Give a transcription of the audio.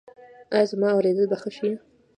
ایا زما اوریدل به ښه شي؟